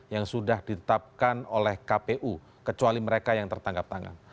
yang sudah ditetapkan oleh kpu kecuali mereka yang tertangkap tangan